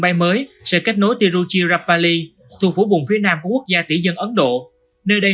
bay mới sẽ kết nối tiruchirapalli thuộc phủ vùng phía nam của quốc gia tỷ dân ấn độ nơi đây